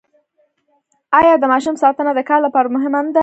آیا د ماشوم ساتنه د کار لپاره مهمه نه ده؟